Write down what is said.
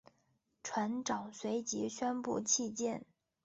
船长随即宣布弃舰。